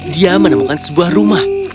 dia menemukan sebuah rumah